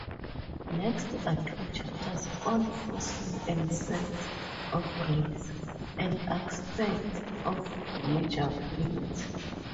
Next are two chapters on "Forcing and sets of reals" and "Aspects of measurability".